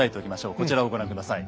こちらをご覧下さい。